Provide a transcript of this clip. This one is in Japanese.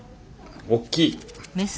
おっきい！